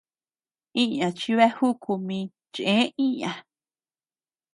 Iña chi beajuku mi cheë iña.